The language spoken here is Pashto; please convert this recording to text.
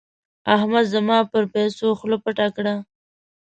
احمد زما پر پيسو خوله پټه کړه.